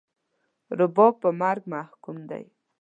رباب په مرګ محکوم دی